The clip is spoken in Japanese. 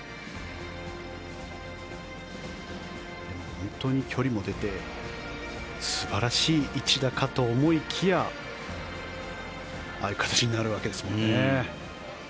本当に距離も出て素晴らしい一打かと思いきやああいう形になるわけですもんね。